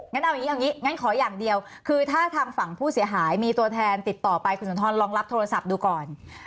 งั้นเอาอย่างนี้เอาอย่างนี้งั้นขออย่างเดียวคือถ้าทางฝั่งผู้เสียหายมีตัวแทนติดต่อไปคุณสุนทรลองรับโทรศัพท์ดูก่อน